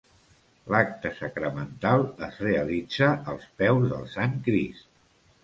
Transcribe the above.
L'acte sacramental es realitza als peus del Sant Crist.